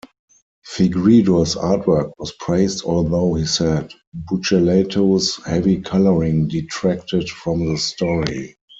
Fegredo's artwork was praised although he said Buccellato's heavy colouring detracted from the story.